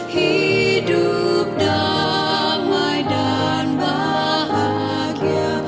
hidup damai dan bahagia